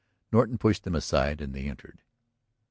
Norton pushed them aside and they entered.